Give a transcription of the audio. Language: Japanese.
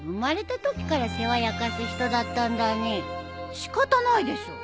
仕方ないでしょ。